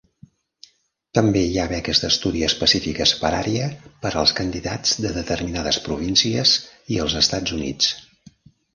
També hi ha beques d'estudi específiques per àrea per als candidats de determinades províncies i els Estats Units.